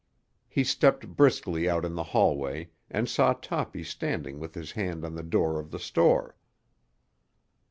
He stepped briskly out in the hallway and saw Toppy standing with his hand on the door of the store.